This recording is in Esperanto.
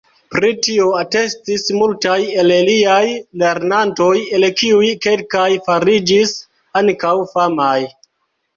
Pri tio atestis multaj el liaj lernantoj el kiuj kelkaj fariĝis ankaŭ famaj.